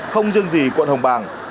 không riêng gì quận hồng bàng